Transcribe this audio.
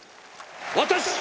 私